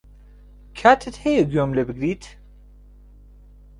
کاتت هەیە گوێم لێ بگریت؟